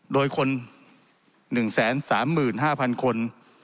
โดยคน๑๓๕๐๐๐คน